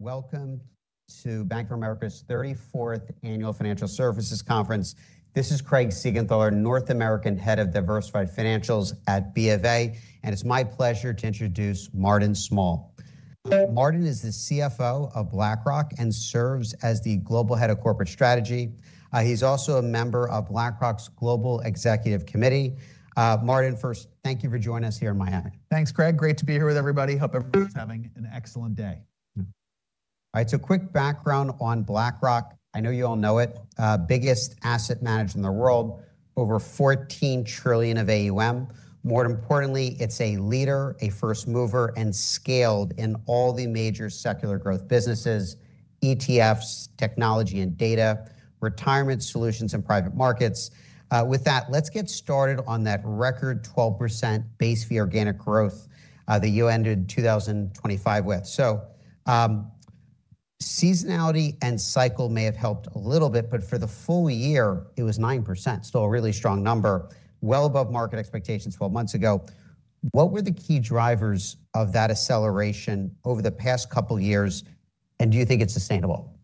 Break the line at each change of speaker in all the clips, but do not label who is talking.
Welcome to Bank of America's thirty-fourth Annual Financial Services Conference. This is Craig Siegel, North American Head of Diversified Financials at BFA, and it's my pleasure to introduce Martin Small. Martin is the CFO of BlackRock, and serves as the Global Head of Corporate Strategy. He's also a member of BlackRock's Global Executive Committee. Martin, first, thank you for joining us here in Miami.
Thanks, Craig. Great to be here with everybody. Hope everyone's having an excellent day.
All right, so quick background on BlackRock. I know you all know it, biggest asset manager in the world, over $14 trillion of AUM. More importantly, it's a leader, a first mover, and scaled in all the major secular growth businesses: ETFs, technology and data, retirement solutions, and private markets. With that, let's get started on that record 12% base fee organic growth, that you ended 2025 with. So, seasonality and cycle may have helped a little bit, but for the full year it was 9%. Still a really strong number, well above market expectations 12 months ago. What were the key drivers of that acceleration over the past couple of years, and do you think it's sustainable?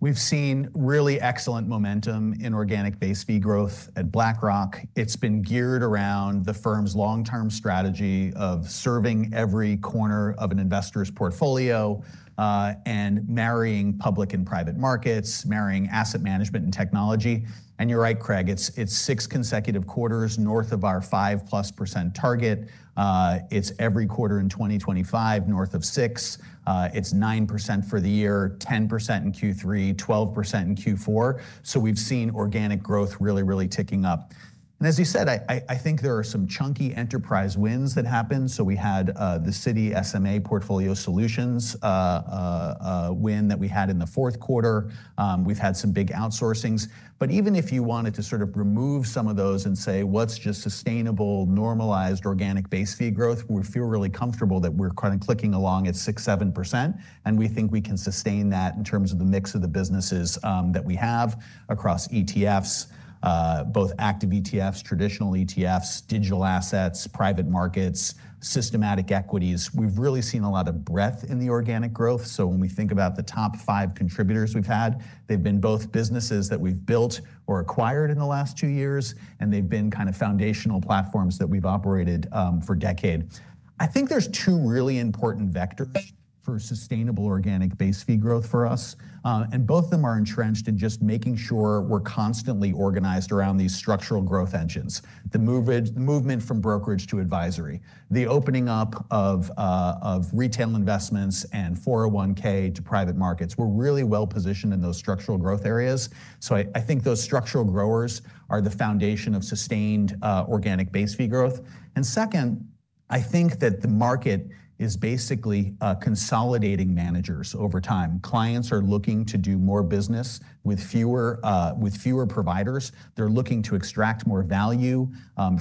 We've seen really excellent momentum in organic base fee growth at BlackRock. It's been geared around the firm's long-term strategy of serving every corner of an investor's portfolio, and marrying public and private markets, marrying asset management and technology. And you're right, Craig, it's six consecutive quarters north of our 5%+ target. It's every quarter in 2025, north of 6%. It's 9% for the year, 10% in Q3, 12% in Q4. So we've seen organic growth really, really ticking up. And as you said, I think there are some chunky enterprise wins that happened. So we had the Citi SMA Portfolio Solutions, a win that we had in the fourth quarter. We've had some big outsourcings. But even if you wanted to sort of remove some of those and say, "What's just sustainable, normalized, organic base fee growth?" We feel really comfortable that we're kind of clicking along at 6%-7%, and we think we can sustain that in terms of the mix of the businesses that we have across ETFs, both active ETFs, traditional ETFs, digital assets, private markets, systematic equities. We've really seen a lot of breadth in the organic growth. So when we think about the top 5 contributors we've had, they've been both businesses that we've built or acquired in the last 2 years, and they've been kind of foundational platforms that we've operated for decade. I think there's two really important vectors for sustainable organic base fee growth for us, and both of them are entrenched in just making sure we're constantly organized around these structural growth engines. The movement from brokerage to advisory, the opening up of, of retail investments and 401(k) to private markets. We're really well-positioned in those structural growth areas. So I, I think those structural growers are the foundation of sustained, organic base fee growth. And second, I think that the market is basically, consolidating managers over time. Clients are looking to do more business with fewer, with fewer providers. They're looking to extract more value,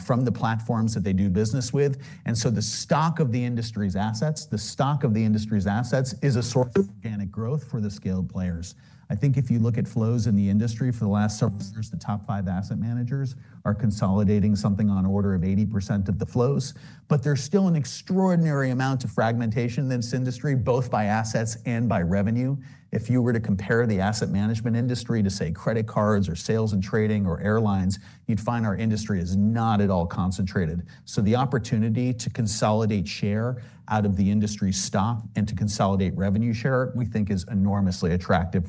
from the platforms that they do business with. And so the stock of the industry's assets, the stock of the industry's assets, is a source of organic growth for the scaled players. I think if you look at flows in the industry for the last several years, the top 5 asset managers are consolidating something on order of 80% of the flows, but there's still an extraordinary amount of fragmentation in this industry, both by assets and by revenue. If you were to compare the asset management industry to, say, credit cards or sales and trading or airlines, you'd find our industry is not at all concentrated. So the opportunity to consolidate share out of the industry stock and to consolidate revenue share, we think is enormously attractive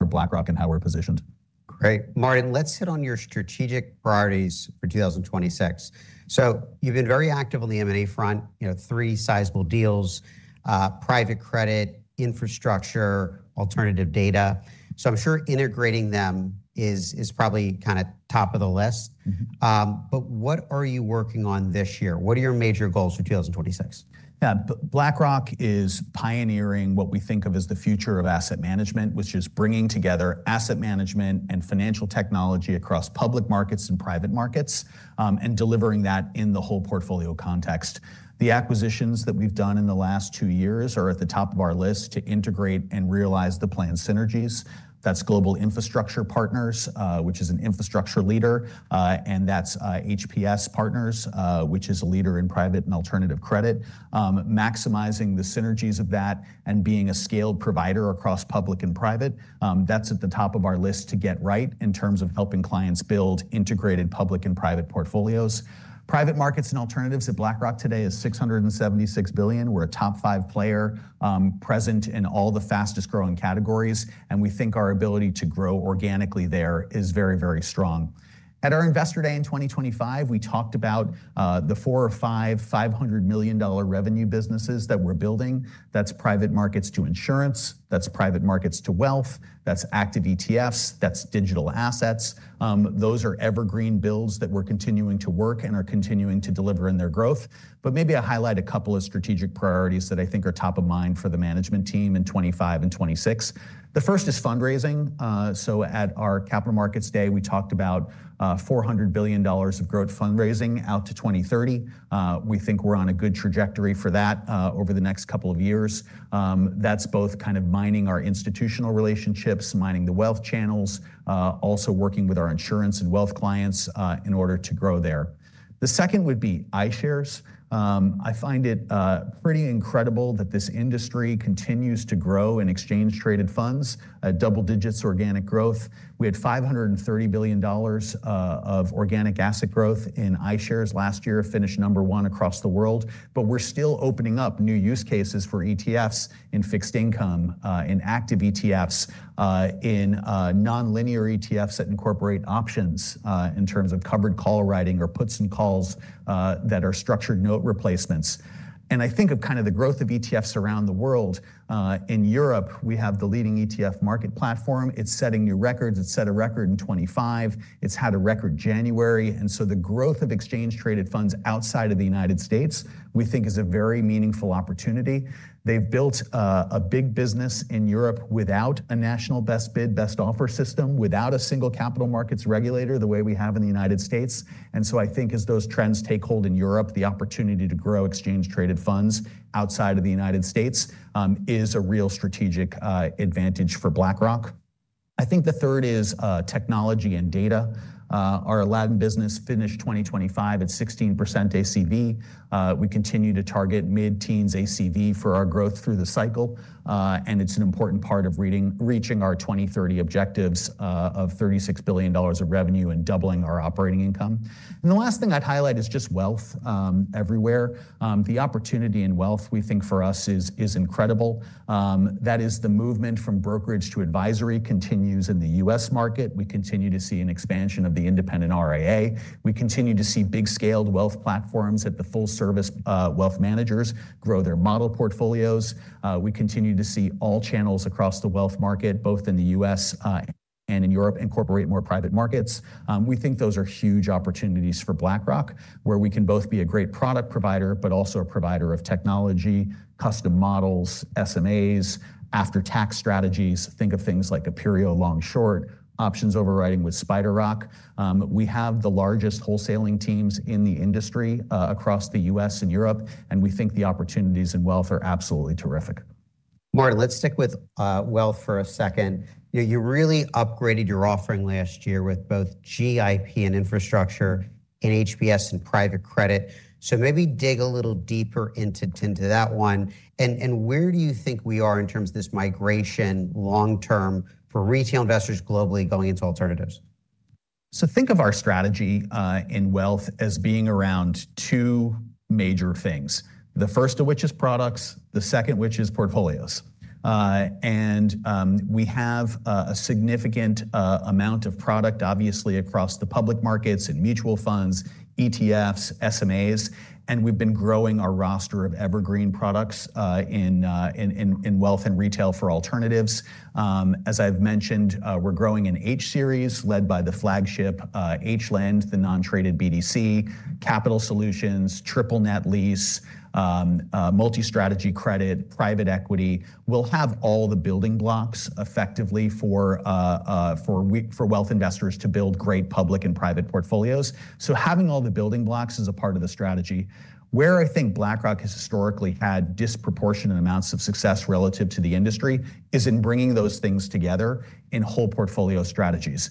for BlackRock and how we're positioned.
Great. Martin, let's hit on your strategic priorities for 2026. So you've been very active on the M&A front, you know, three sizable deals, private credit, infrastructure, alternative data. So I'm sure integrating them is probably kind of top of the list.
Mm-hmm.
But what are you working on this year? What are your major goals for 2026?
Yeah. BlackRock is pioneering what we think of as the future of asset management, which is bringing together asset management and financial technology across public markets and private markets, and delivering that in the whole portfolio context. The acquisitions that we've done in the last two years are at the top of our list to integrate and realize the planned synergies. That's Global Infrastructure Partners, which is an infrastructure leader, and that's HPS Investment Partners, which is a leader in private and alternative credit. Maximizing the synergies of that and being a scaled provider across public and private, that's at the top of our list to get right in terms of helping clients build integrated public and private portfolios. Private markets and alternatives at BlackRock today is $676 billion. We're a top five player present in all the fastest growing categories, and we think our ability to grow organically there is very, very strong. At our Investor Day in 2025, we talked about the four or five $500 million revenue businesses that we're building. That's private markets to insurance, that's private markets to wealth, that's active ETFs, that's digital assets. Those are evergreen builds that we're continuing to work and are continuing to deliver in their growth. But maybe I'll highlight a couple of strategic priorities that I think are top of mind for the management team in 2025 and 2026. The first is fundraising. So at our Capital Markets Day, we talked about $400 billion of growth fundraising out to 2030. We think we're on a good trajectory for that, over the next couple of years. That's both kind of mining our institutional relationships, mining the wealth channels, also working with our insurance and wealth clients, in order to grow there. The second would be iShares. I find it pretty incredible that this industry continues to grow in exchange-traded funds at double digits organic growth. We had $530 billion of organic asset growth in iShares last year, finished number one across the world, but we're still opening up new use cases for ETFs in fixed income, in active ETFs, in nonlinear ETFs that incorporate options, in terms of covered call writing or puts and calls, that are structured note replacements... and I think of kind of the growth of ETFs around the world. In Europe, we have the leading ETF market platform. It's setting new records. It set a record in 2025. It's had a record January. And so the growth of exchange-traded funds outside of the United States, we think, is a very meaningful opportunity. They've built a big business in Europe without a National Best Bid and Offer system, without a single capital markets regulator, the way we have in the United States. And so I think as those trends take hold in Europe, the opportunity to grow exchange-traded funds outside of the United States is a real strategic advantage for BlackRock. I think the third is technology and data. Our Aladdin business finished 2025 at 16% ACV. We continue to target mid-teens ACV for our growth through the cycle, and it's an important part of reaching our 20-30 objectives of $36 billion of revenue and doubling our operating income. The last thing I'd highlight is just wealth everywhere. The opportunity in wealth, we think, for us is incredible. That is the movement from brokerage to advisory continues in the U.S. market. We continue to see an expansion of the independent RIA. We continue to see big-scaled wealth platforms at the full-service wealth managers grow their model portfolios. We continue to see all channels across the wealth market, both in the U.S. and in Europe, incorporate more private markets. We think those are huge opportunities for BlackRock, where we can both be a great product provider, but also a provider of technology, custom models, SMAs, after-tax strategies. Think of things like Aperio long-short, options overriding with SpiderRock. We have the largest wholesaling teams in the industry, across the U.S. and Europe, and we think the opportunities in wealth are absolutely terrific.
Martin, let's stick with wealth for a second. You really upgraded your offering last year with both GIP and infrastructure in HPS and private credit. So maybe dig a little deeper into that one, and where do you think we are in terms of this migration long term for retail investors globally going into alternatives?
So think of our strategy in wealth as being around two major things. The first of which is products, the second which is portfolios. We have a significant amount of product, obviously, across the public markets and mutual funds, ETFs, SMAs, and we've been growing our roster of evergreen products in wealth and retail for alternatives. As I've mentioned, we're growing in H series, led by the flagship HLEND, the non-traded BDC, Capital Solutions, triple net lease, multi-strategy credit, private equity. We'll have all the building blocks effectively for wealth investors to build great public and private portfolios. So having all the building blocks is a part of the strategy. Where I think BlackRock has historically had disproportionate amounts of success relative to the industry is in bringing those things together in whole portfolio strategies.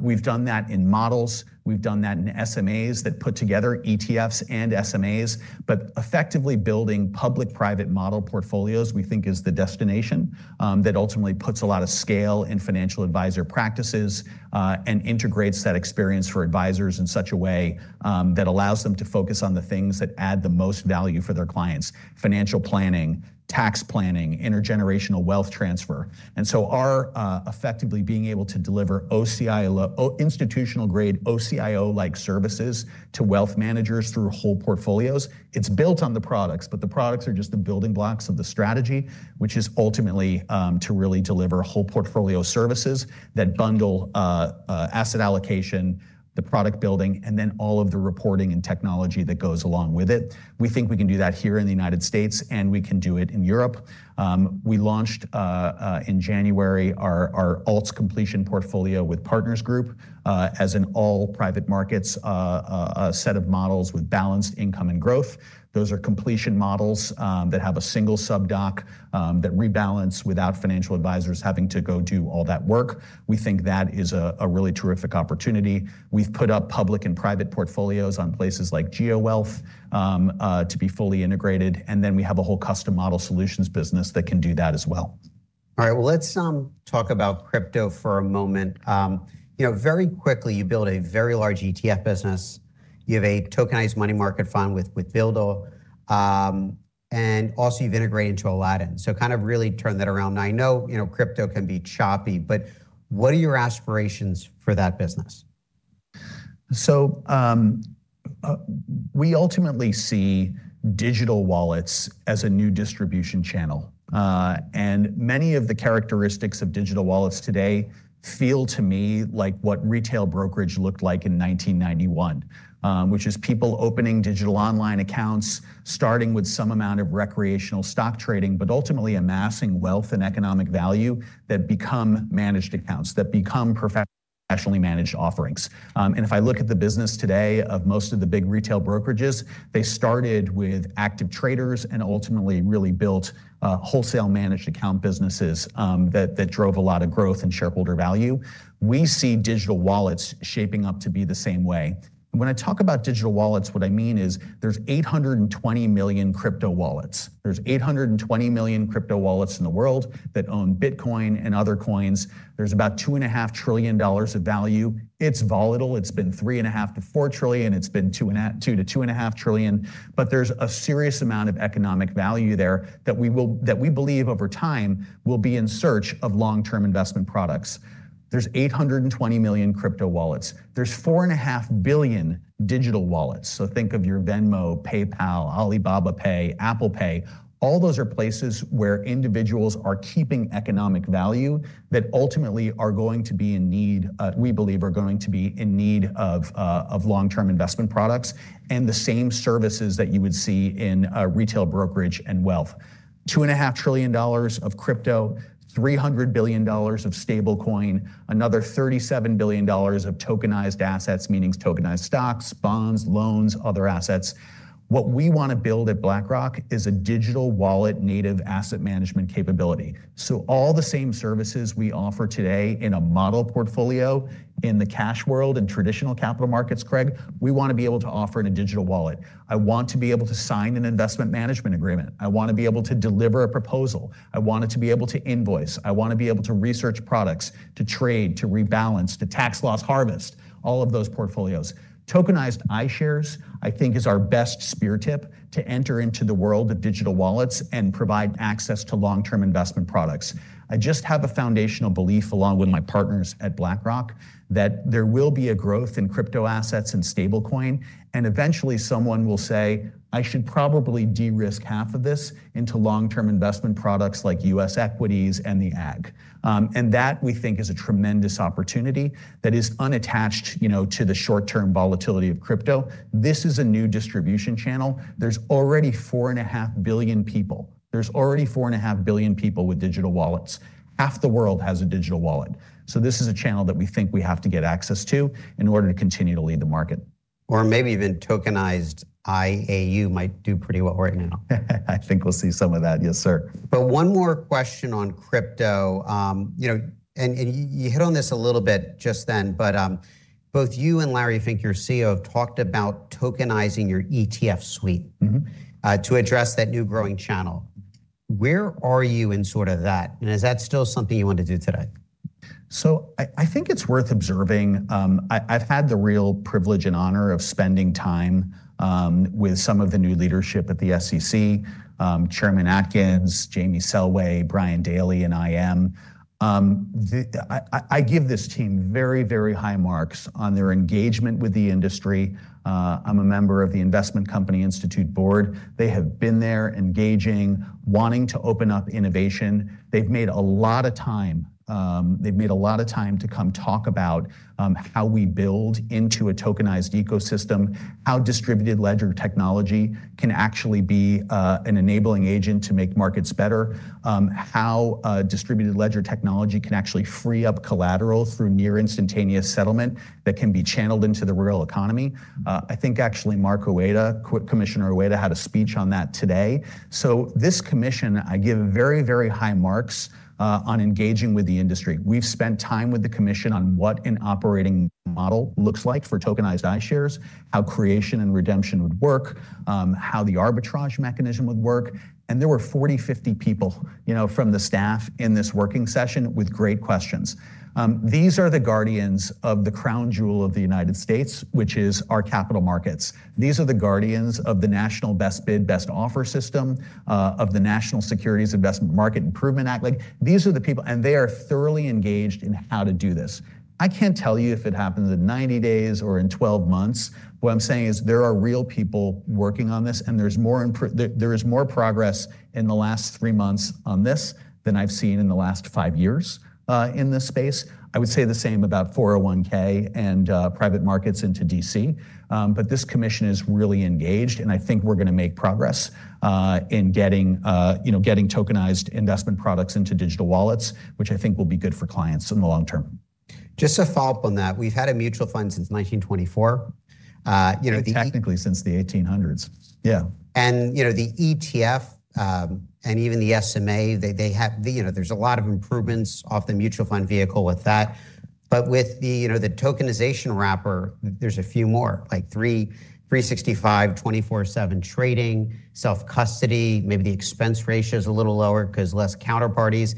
We've done that in models, we've done that in SMAs that put together ETFs and SMAs, but effectively building public-private model portfolios, we think, is the destination, that ultimately puts a lot of scale in financial advisor practices, and integrates that experience for advisors in such a way, that allows them to focus on the things that add the most value for their clients: financial planning, tax planning, intergenerational wealth transfer. Effectively being able to deliver institutional-grade OCIO-like services to wealth managers through whole portfolios, it's built on the products, but the products are just the building blocks of the strategy, which is ultimately to really deliver whole portfolio services that bundle asset allocation, the product building, and then all of the reporting and technology that goes along with it. We think we can do that here in the United States, and we can do it in Europe. We launched in January our alts completion portfolio with Partners Group as in all private markets a set of models with balanced income and growth. Those are completion models that have a single sub-doc that rebalance without financial advisors having to go do all that work. We think that is a really terrific opportunity. We've put up public and private portfolios on places like GeoWealth, to be fully integrated, and then we have a whole custom model solutions business that can do that as well.
All right, well, let's talk about crypto for a moment. You know, very quickly, you built a very large ETF business. You have a tokenized money market fund with, with BUIDL, and also you've integrated into Aladdin. So kind of really turn that around. Now, I know, you know, crypto can be choppy, but what are your aspirations for that business?
We ultimately see digital wallets as a new distribution channel, and many of the characteristics of digital wallets today feel to me like what retail brokerage looked like in 1991, which is people opening digital online accounts, starting with some amount of recreational stock trading, but ultimately amassing wealth and economic value that become managed accounts, that become professionally managed offerings. And if I look at the business today of most of the big retail brokerages, they started with active traders and ultimately really built wholesale managed account businesses, that drove a lot of growth and shareholder value. We see digital wallets shaping up to be the same way.... When I talk about digital wallets, what I mean is there's 820 million crypto wallets. There's 820 million crypto wallets in the world that own Bitcoin and other coins. There's about $2.5 trillion of value. It's volatile. It's been $3.5 to $4 trillion, it's been $2 to $2.5 trillion, but there's a serious amount of economic value there that we believe over time will be in search of long-term investment products. There's 820 million crypto wallets. There's 4.5 billion digital wallets, so think of your Venmo, PayPal, Alipay, Apple Pay. All those are places where individuals are keeping economic value that ultimately are going to be in need, we believe are going to be in need of long-term investment products, and the same services that you would see in retail brokerage and wealth. $2.5 trillion of crypto, $300 billion of stablecoin, another $37 billion of tokenized assets, meaning tokenized stocks, bonds, loans, other assets. What we wanna build at BlackRock is a digital wallet native asset management capability. So all the same services we offer today in a model portfolio in the cash world, in traditional capital markets, Craig, we wanna be able to offer in a digital wallet. I want to be able to sign an investment management agreement. I wanna be able to deliver a proposal. I want it to be able to invoice. I wanna be able to research products, to trade, to rebalance, to tax loss harvest, all of those portfolios. Tokenized iShares, I think, is our best spear tip to enter into the world of digital wallets and provide access to long-term investment products. I just have a foundational belief, along with my partners at BlackRock, that there will be a growth in crypto assets and stablecoin, and eventually someone will say, "I should probably de-risk half of this into long-term investment products like U.S. equities and the Agg." And that, we think, is a tremendous opportunity that is unattached, you know, to the short-term volatility of crypto. This is a new distribution channel. There's already 4.5 billion people. There's already 4.5 billion people with digital wallets. Half the world has a digital wallet. So this is a channel that we think we have to get access to in order to continue to lead the market.
Or maybe even tokenized IAU might do pretty well right now.
I think we'll see some of that. Yes, sir.
One more question on crypto. You know, and you hit on this a little bit just then, but both you and Larry Fink, your CEO, have talked about tokenizing your ETF suite-
Mm-hmm...
to address that new growing channel. Where are you in sort of that, and is that still something you want to do today?
So I think it's worth observing, I've had the real privilege and honor of spending time with some of the new leadership at the SEC, Chairman Atkins, Jamie Selway, Brian Daly, and them. I give this team very, very high marks on their engagement with the industry. I'm a member of the Investment Company Institute board. They have been there engaging, wanting to open up innovation. They've made a lot of time, they've made a lot of time to come talk about how we build into a tokenized ecosystem, how distributed ledger technology can actually be an enabling agent to make markets better, how distributed ledger technology can actually free up collateral through near instantaneous settlement that can be channeled into the real economy. I think actually Mark Uyeda, Commissioner Uyeda, had a speech on that today. So this commission, I give very, very high marks on engaging with the industry. We've spent time with the commission on what an operating model looks like for tokenized iShares, how creation and redemption would work, how the arbitrage mechanism would work, and there were 40, 50 people, you know, from the staff in this working session with great questions. These are the guardians of the crown jewel of the United States, which is our capital markets. These are the guardians of the National Best Bid and Offer system of the National Securities Markets Improvement Act. Like, these are the people... They are thoroughly engaged in how to do this. I can't tell you if it happens in 90 days or in 12 months. What I'm saying is there are real people working on this, and there's more progress in the last 3 months on this than I've seen in the last 5 years in this space. I would say the same about 401(k) and private markets into DC. But this commission is really engaged, and I think we're gonna make progress in getting, you know, getting tokenized investment products into digital wallets, which I think will be good for clients in the long term.
Just to follow up on that, we've had a mutual fund since 1924. You know, the-
Technically, since the 1800s. Yeah.
You know, the ETF and even the SMA, they have, you know, there's a lot of improvements off the mutual fund vehicle with that. But with the, you know, the tokenization wrapper, there's a few more, like 3, 365, 24/7 trading, self-custody, maybe the expense ratio is a little lower 'cause less counterparties.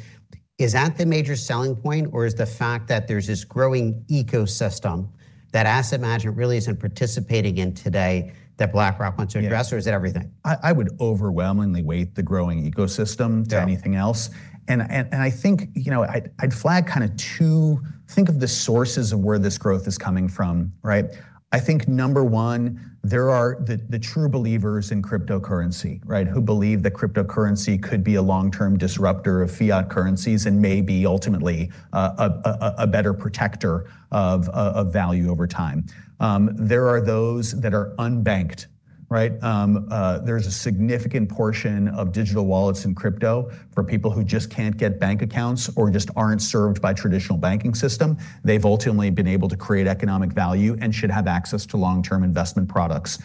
Is that the major selling point, or is the fact that there's this growing ecosystem that asset management really isn't participating in today, that BlackRock wants to address-
Yes...
or is it everything?
I would overwhelmingly weight the growing ecosystem-
Yeah...
to anything else. I think, you know, I'd flag kind of two, think of the sources of where this growth is coming from, right? I think number one, there are the true believers in cryptocurrency, right? Who believe that cryptocurrency could be a long-term disruptor of fiat currencies and may be ultimately a better protector of value over time. There are those that are unbanked, right? There's a significant portion of digital wallets in crypto for people who just can't get bank accounts or just aren't served by traditional banking system. They've ultimately been able to create economic value and should have access to long-term investment products.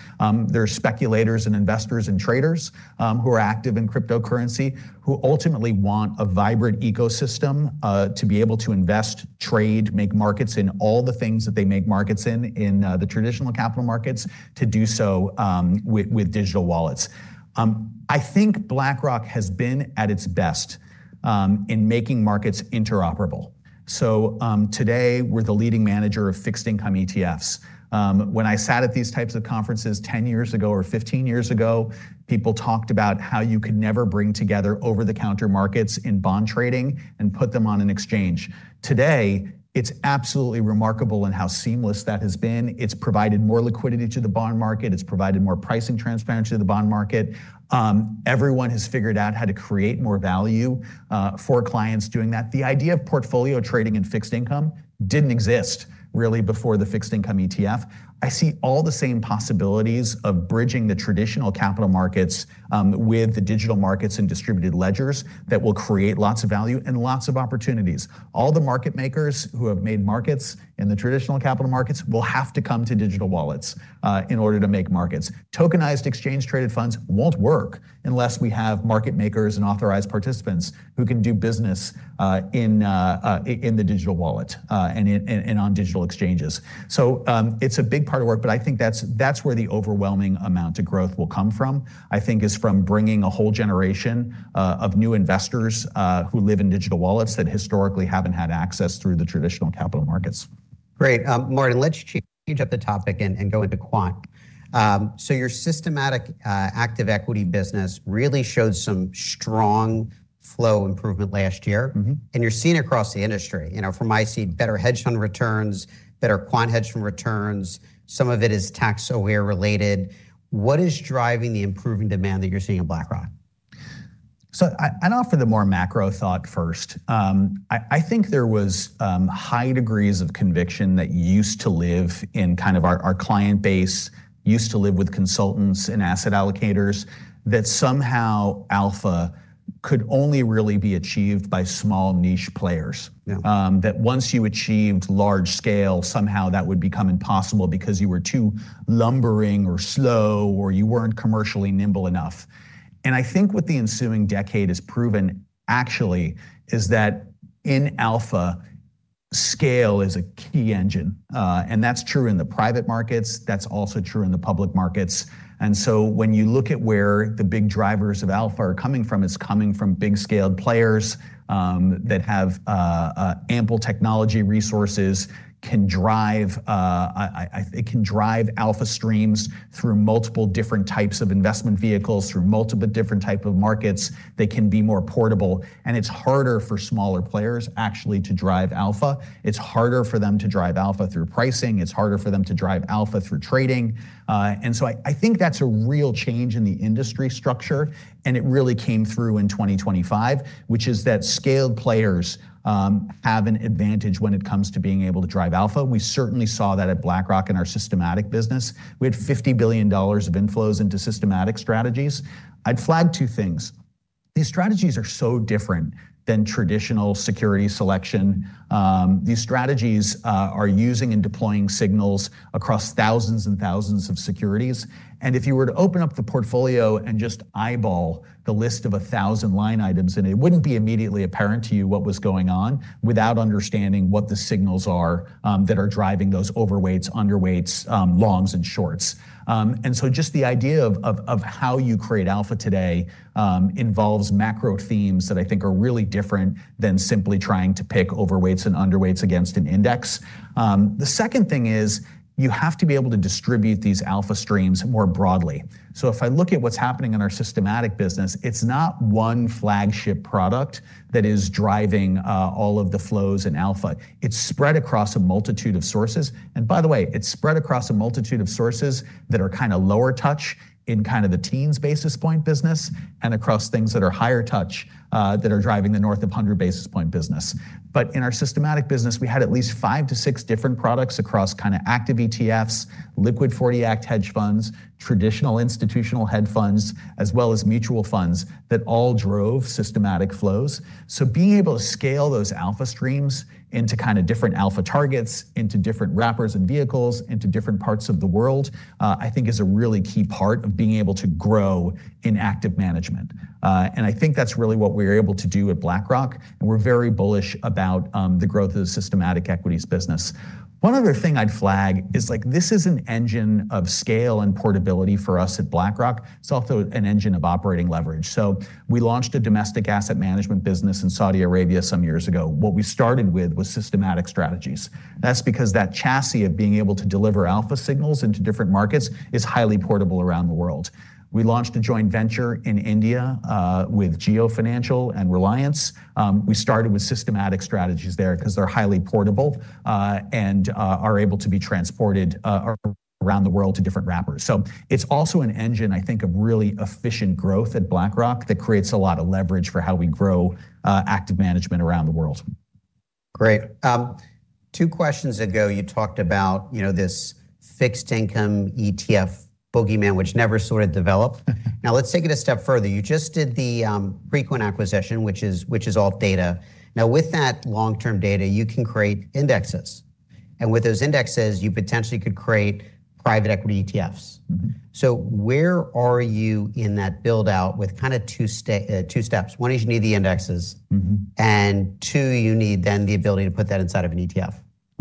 There are speculators and investors and traders who are active in cryptocurrency, who ultimately want a vibrant ecosystem to be able to invest, trade, make markets in all the things that they make markets in in the traditional capital markets, to do so with digital wallets. I think BlackRock has been at its best in making markets interoperable. So, today we're the leading manager of fixed income ETFs. When I sat at these types of conferences 10 years ago or 15 years ago, people talked about how you could never bring together over-the-counter markets in bond trading and put them on an exchange. Today, it's absolutely remarkable in how seamless that has been. It's provided more liquidity to the bond market, it's provided more pricing transparency to the bond market. Everyone has figured out how to create more value, for clients doing that. The idea of portfolio trading in fixed income didn't exist really before the fixed income ETF. I see all the same possibilities of bridging the traditional capital markets, with the digital markets and distributed ledgers that will create lots of value and lots of opportunities. All the market makers who have made markets in the traditional capital markets will have to come to digital wallets, in order to make markets. Tokenized exchange-traded funds won't work unless we have market makers and authorized participants who can do business, in the digital wallet, and in, and on digital exchanges. So, it's a big part of work, but I think that's, that's where the overwhelming amount of growth will come from, I think is from bringing a whole generation of new investors who live in digital wallets that historically haven't had access through the traditional capital markets.
Great. Martin, let's change up the topic and go into quant. So, your systematic active equity business really showed some strong flow improvement last year.
Mm-hmm.
You're seeing it across the industry. You know, from I see better hedge fund returns, better quant hedge fund returns, some of it is tax-aware related. What is driving the improving demand that you're seeing at BlackRock?
So I'd offer the more macro thought first. I think there was high degrees of conviction that used to live in kind of our client base, used to live with consultants and asset allocators, that somehow alpha could only really be achieved by small niche players.
Yeah.
That once you achieved large scale, somehow that would become impossible because you were too lumbering or slow, or you weren't commercially nimble enough. And I think what the ensuing decade has proven, actually, is that in alpha, scale is a key engine. And that's true in the private markets, that's also true in the public markets. And so when you look at where the big drivers of alpha are coming from, it's coming from big-scaled players that have ample technology resources, can drive it. It can drive alpha streams through multiple different types of investment vehicles, through multiple different type of markets. They can be more portable, and it's harder for smaller players actually to drive alpha. It's harder for them to drive alpha through pricing, it's harder for them to drive alpha through trading. and so I, I think that's a real change in the industry structure, and it really came through in 2025, which is that scaled players have an advantage when it comes to being able to drive alpha. We certainly saw that at BlackRock in our systematic business. We had $50 billion of inflows into systematic strategies. I'd flag two things. These strategies are so different than traditional security selection. These strategies are using and deploying signals across thousands and thousands of securities, and if you were to open up the portfolio and just eyeball the list of 1,000 line items, and it wouldn't be immediately apparent to you what was going on, without understanding what the signals are that are driving those overweights, underweights, longs and shorts. And so just the idea of how you create alpha today involves macro themes that I think are really different than simply trying to pick overweights and underweights against an index. The second thing is, you have to be able to distribute these alpha streams more broadly. So if I look at what's happening in our systematic business, it's not one flagship product that is driving all of the flows in alpha. It's spread across a multitude of sources. And by the way, it's spread across a multitude of sources that are kinda lower touch in kind of the teens basis point business, and across things that are higher touch that are driving the north of hundred basis point business. But in our systematic business, we had at least 5-6 different products across kinda active ETFs, liquid 40 Act hedge funds, traditional institutional hedge funds, as well as mutual funds, that all drove systematic flows. So being able to scale those alpha streams into kinda different alpha targets, into different wrappers and vehicles, into different parts of the world, I think is a really key part of being able to grow in active management. And I think that's really what we're able to do at BlackRock, and we're very bullish about the growth of the systematic equities business. One other thing I'd flag is, like, this is an engine of scale and portability for us at BlackRock. It's also an engine of operating leverage. So we launched a domestic asset management business in Saudi Arabia some years ago. What we started with was systematic strategies. That's because that chassis of being able to deliver alpha signals into different markets is highly portable around the world. We launched a joint venture in India, with Jio Financial and Reliance. We started with systematic strategies there, 'cause they're highly portable, and are able to be transported, around the world to different wrappers. So it's also an engine, I think, of really efficient growth at BlackRock that creates a lot of leverage for how we grow, active management around the world.
Great. Two questions ago, you talked about, you know, this fixed income ETF bogeyman, which never sort of developed. Now, let's take it a step further. You just did the frequent acquisition, which is, which is Alt Data. Now, with that long-term data, you can create indexes, and with those indexes, you potentially could create private equity ETFs.
Mm-hmm.
So where are you in that build-out with kinda two steps? One is, you need the indexes-
Mm-hmm...
and two, you need then the ability to put that inside of an ETF. ...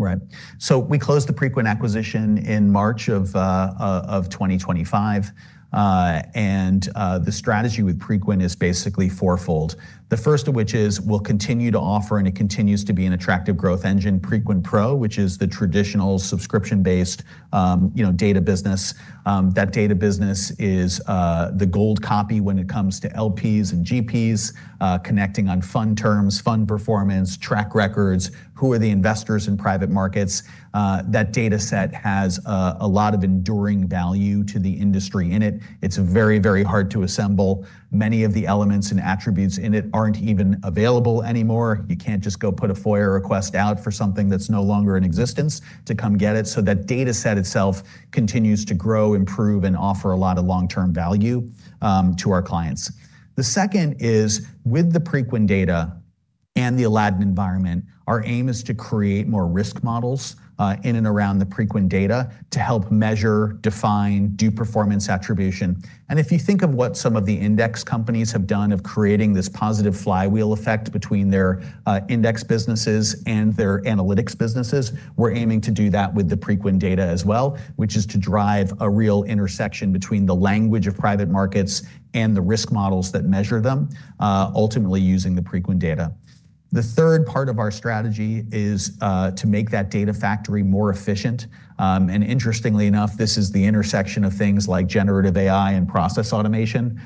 Right. So we closed the Preqin acquisition in March of 2025. And the strategy with Preqin is basically fourfold. The first of which is we'll continue to offer, and it continues to be an attractive growth engine, Preqin Pro, which is the traditional subscription-based, you know, data business. That data business is the gold copy when it comes to LPs and GPs, connecting on fund terms, fund performance, track records, who are the investors in private markets? That dataset has a lot of enduring value to the industry in it. It's very, very hard to assemble. Many of the elements and attributes in it aren't even available anymore. You can't just go put a FOIA request out for something that's no longer in existence to come get it. So that dataset itself continues to grow, improve, and offer a lot of long-term value to our clients. The second is, with the Preqin data and the Aladdin environment, our aim is to create more risk models in and around the Preqin data to help measure, define, do performance attribution. And if you think of what some of the index companies have done of creating this positive flywheel effect between their index businesses and their analytics businesses, we're aiming to do that with the Preqin data as well, which is to drive a real intersection between the language of private markets and the risk models that measure them, ultimately using the Preqin data. The third part of our strategy is to make that data factory more efficient. And interestingly enough, this is the intersection of things like generative AI and process automation,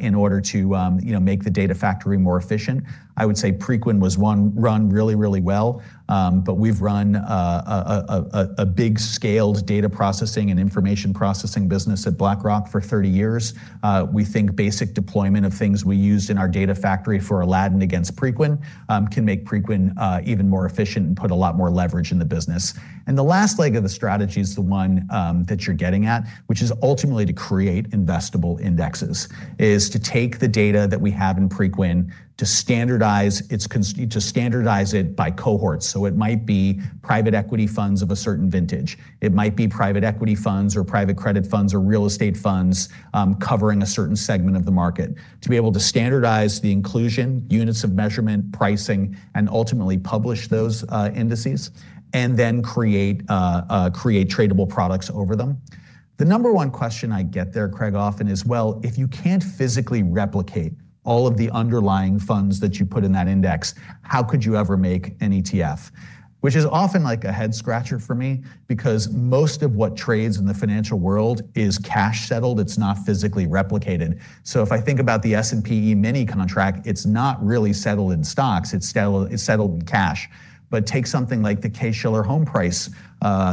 in order to, you know, make the data factory more efficient. I would say Preqin was one run really, really well. But we've run a big scaled data processing and information processing business at BlackRock for 30 years. We think basic deployment of things we used in our data factory for Aladdin against Preqin can make Preqin even more efficient and put a lot more leverage in the business. And the last leg of the strategy is the one that you're getting at, which is ultimately to create investable indexes. Is to take the data that we have in Preqin to standardize it by cohorts. So it might be private equity funds of a certain vintage. It might be private equity funds or private credit funds or real estate funds, covering a certain segment of the market. To be able to standardize the inclusion, units of measurement, pricing, and ultimately publish those indices, and then create tradable products over them. The number one question I get there, Craig, often, is: Well, if you can't physically replicate all of the underlying funds that you put in that index, how could you ever make an ETF? Which is often like a head scratcher for me, because most of what trades in the financial world is cash settled, it's not physically replicated. So if I think about the S&P E-mini contract, it's not really settled in stocks, it's settled in cash. But take something like the Case-Shiller Home Price,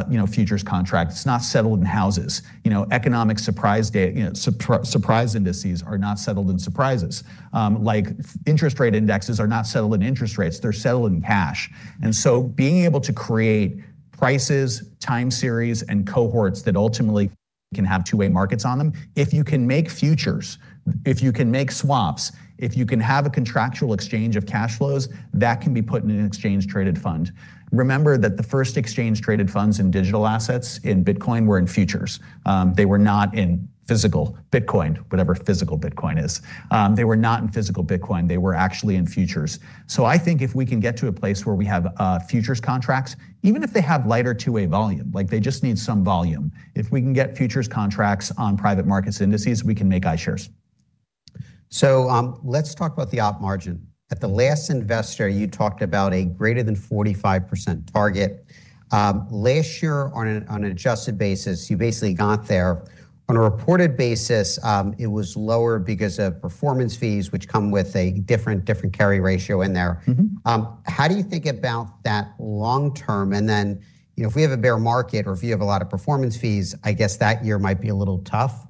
you know, futures contract, it's not settled in houses. You know, economic surprise indices are not settled in surprises. Like, interest rate indexes are not settled in interest rates, they're settled in cash. And so being able to create prices, time series, and cohorts that ultimately can have two-way markets on them, if you can make futures, if you can make swaps, if you can have a contractual exchange of cash flows, that can be put in an exchange traded fund. Remember that the first exchange traded funds in digital assets, in Bitcoin, were in futures. They were not in physical Bitcoin, whatever physical Bitcoin is. They were not in physical Bitcoin, they were actually in futures. So I think if we can get to a place where we have futures contracts, even if they have lighter two-way volume, like they just need some volume. If we can get futures contracts on private markets indices, we can make iShares.
Let's talk about the op margin. At the last investor, you talked about a greater than 45% target. Last year on an adjusted basis, you basically got there. On a reported basis, it was lower because of performance fees, which come with a different carry ratio in there.
Mm-hmm.
How do you think about that long term? And then, you know, if we have a bear market or if you have a lot of performance fees, I guess that year might be a little tough.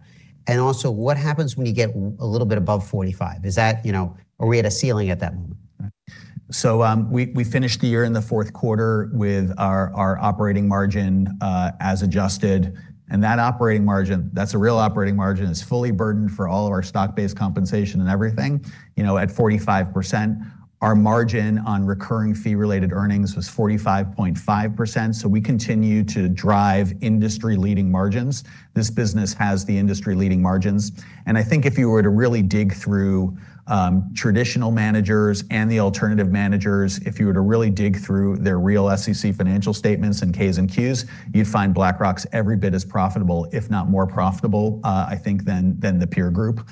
And also, what happens when you get a little bit above 45? Is that, you know, are we at a ceiling at that moment?
So, we finished the year in the fourth quarter with our operating margin, as adjusted, and that operating margin, that's a real operating margin, is fully burdened for all of our stock-based compensation and everything, you know, at 45%. Our margin on recurring fee-related earnings was 45.5%, so we continue to drive industry-leading margins. This business has the industry-leading margins, and I think if you were to really dig through traditional managers and the alternative managers, if you were to really dig through their real SEC financial statements and K's and Q's, you'd find BlackRock's every bit as profitable, if not more profitable, I think, than the peer group.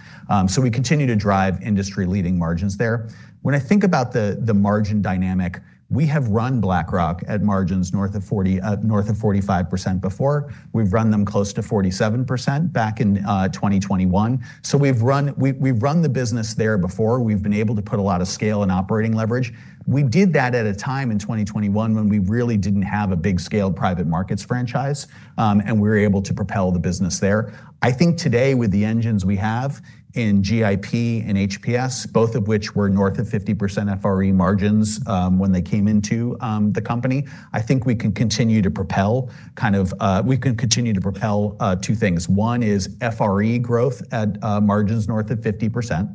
So we continue to drive industry-leading margins there. When I think about the margin dynamic, we have run BlackRock at margins north of 40, north of 45% before. We've run them close to 47% back in 2021. So we've run the business there before. We've been able to put a lot of scale and operating leverage. We did that at a time in 2021 when we really didn't have a big-scale private markets franchise, and we were able to propel the business there. I think today, with the engines we have in GIP and HPS, both of which were north of 50% FRE margins, when they came into the company, I think we can continue to propel kind of... we can continue to propel two things. One is FRE growth at margins north of 50%.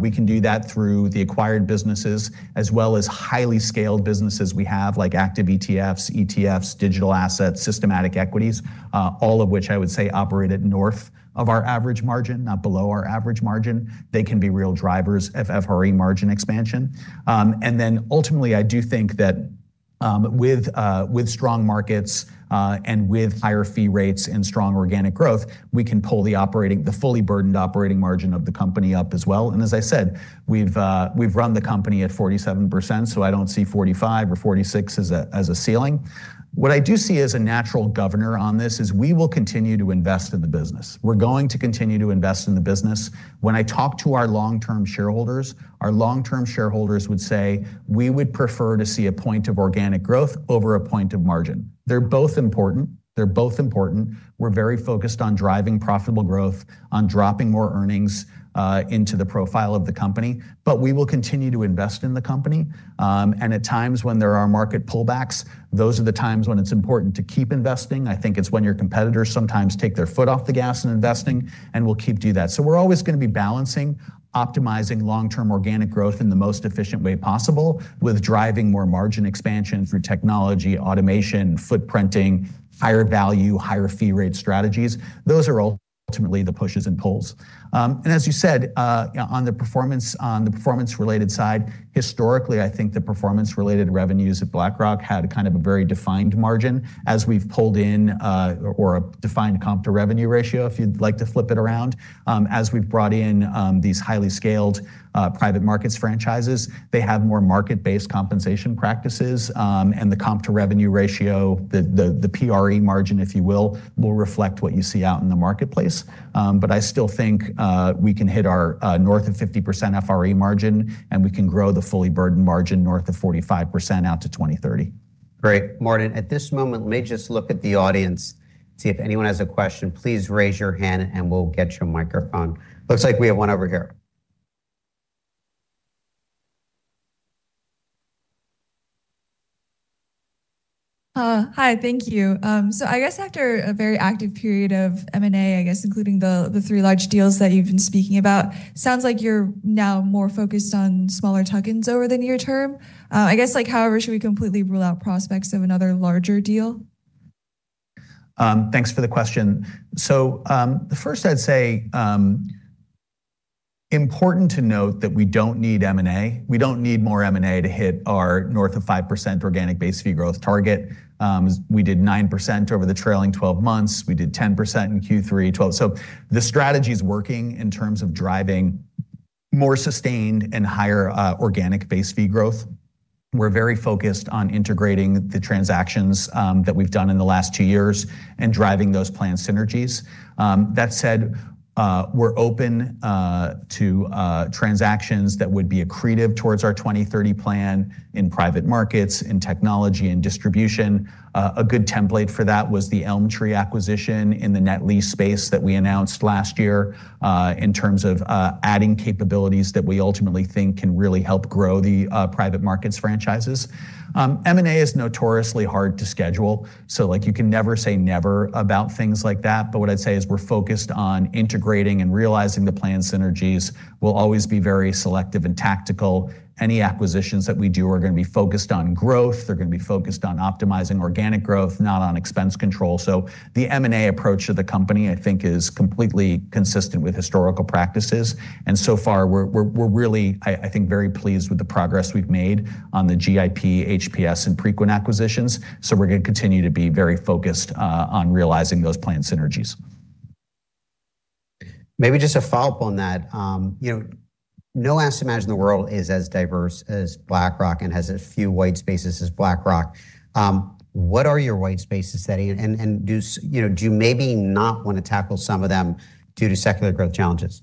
We can do that through the acquired businesses, as well as highly scaled businesses we have, like active ETFs, ETFs, digital assets, systematic equities, all of which I would say operate at north of our average margin, not below our average margin. They can be real drivers of FRE margin expansion. And then ultimately, I do think that with strong markets and with higher fee rates and strong organic growth, we can pull the operating, the fully burdened operating margin of the company up as well. And as I said, we've run the company at 47%, so I don't see 45 or 46 as a ceiling. What I do see as a natural governor on this is we will continue to invest in the business. We're going to continue to invest in the business. When I talk to our long-term shareholders, our long-term shareholders would say, "We would prefer to see a point of organic growth over a point of margin." They're both important. They're both important. We're very focused on driving profitable growth, on dropping more earnings into the profile of the company, but we will continue to invest in the company. And at times when there are market pullbacks, those are the times when it's important to keep investing. I think it's when your competitors sometimes take their foot off the gas in investing, and we'll keep do that. So we're always gonna be balancing, optimizing long-term organic growth in the most efficient way possible, with driving more margin expansion through technology, automation, footprinting, higher value, higher fee rate strategies. Those are all ultimately the pushes and pulls. And as you said, on the performance-related side, historically, I think the performance-related revenues at BlackRock had kind of a very defined margin. As we've pulled in, or a defined comp to revenue ratio, if you'd like to flip it around, as we've brought in, these highly scaled, private markets franchises, they have more market-based compensation practices. And the comp to revenue ratio, the FRE margin, if you will, will reflect what you see out in the marketplace. But I still think, we can hit our, north of 50% FRE margin, and we can grow the fully burdened margin north of 45% out to 2030.
Great. Martin, at this moment, let me just look at the audience, see if anyone has a question. Please raise your hand, and we'll get you a microphone. Looks like we have one over here.
Hi, thank you. So I guess after a very active period of M&A, I guess including the three large deals that you've been speaking about, sounds like you're now more focused on smaller tuck-ins over the near term. I guess, like, however, should we completely rule out prospects of another larger deal?
Thanks for the question. So, the first I'd say important to note that we don't need M&A. We don't need more M&A to hit our north of 5% organic base fee growth target. We did 9% over the trailing twelve months. We did 10% in Q3, 12. So the strategy is working in terms of driving more sustained and higher organic base fee growth. We're very focused on integrating the transactions that we've done in the last two years and driving those plan synergies. That said, we're open to transactions that would be accretive towards our 2030 plan in private markets, in technology, and distribution. A good template for that was the ElmTree acquisition in the net lease space that we announced last year, in terms of adding capabilities that we ultimately think can really help grow the private markets franchises. M&A is notoriously hard to schedule, so, like, you can never say never about things like that. But what I'd say is we're focused on integrating and realizing the plan synergies. We'll always be very selective and tactical. Any acquisitions that we do are gonna be focused on growth. They're gonna be focused on optimizing organic growth, not on expense control. So the M&A approach to the company, I think, is completely consistent with historical practices, and so far we're really, I think, very pleased with the progress we've made on the GIP, HPS, and Preqin acquisitions. So we're gonna continue to be very focused on realizing those plan synergies.
Maybe just a follow-up on that. You know, no asset manager in the world is as diverse as BlackRock and has a few white spaces as BlackRock. What are your white spaces today? And, you know, do you maybe not wanna tackle some of them due to secular growth challenges?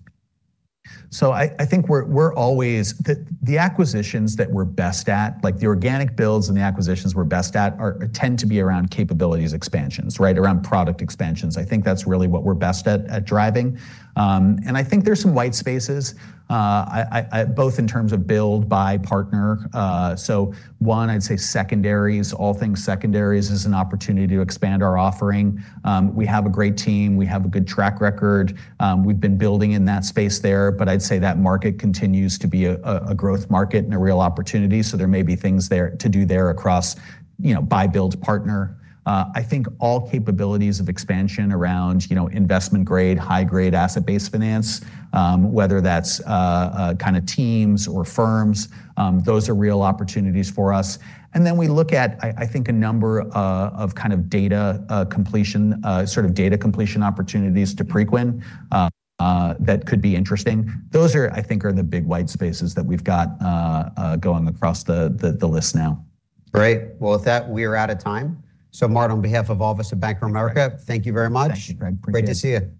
So I think we're always. The acquisitions that we're best at, like the organic builds and the acquisitions we're best at, tend to be around capabilities expansions, right, around product expansions. I think that's really what we're best at driving. And I think there's some white spaces, both in terms of build, buy, partner. So, I'd say secondaries, all things secondaries, is an opportunity to expand our offering. We have a great team, we have a good track record, we've been building in that space there. But I'd say that market continues to be a growth market and a real opportunity, so there may be things there to do there across, you know, buy, build, partner. I think all capabilities of expansion around, you know, investment grade, high grade, asset-based finance, whether that's kinda teams or firms, those are real opportunities for us. And then we look at, I think, a number of kind of data completion sort of data completion opportunities to Preqin, that could be interesting. Those are, I think, the big white spaces that we've got going across the list now.
Great. Well, with that, we are out of time. So Martin, on behalf of all of us at Bank of America, thank you very much.
Thank you, Craig. Appreciate it.
Great to see you.